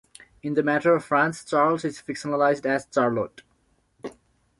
In the Matter of France, Charles is fictionalized as Charlot.